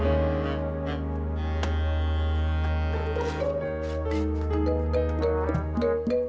kalau pihak bisa memproduk